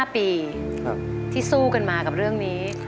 ๕ปีที่สู้กันมากับเรื่องนี้